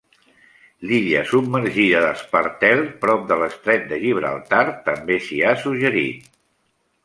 L'illa submergida d'Espartel, prop de l'Estret de Gibraltar, també s'hi ha suggerit.